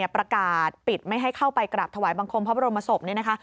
ประกาศปิดไม่ให้เข้าไปกราบถวายบังคมพระบรมศพ